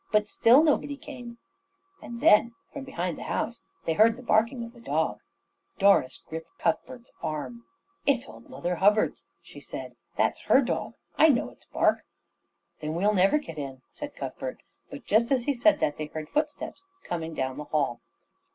But still nobody came, and then from behind the house they heard the barking of a dog. Doris gripped Cuthbert's arm. "It's old Mother Hubbard's," she said. "That's her dog. I know it's bark." "Then we'll never get in," said Cuthbert, but just as he said that they heard footsteps coming down the hall.